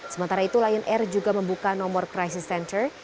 sementara itu lion air juga membuka nomor crisis center